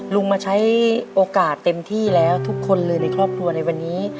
ลุงมาใช้โอกาสเต็มที่แล้วทุกคนเลยในครอบครัวในวันนี้